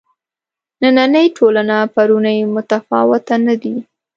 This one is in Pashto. نننۍ ټولنه پرونۍ متفاوته نه دي.